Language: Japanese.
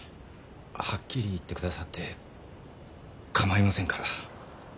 はっきり言ってくださってかまいませんから。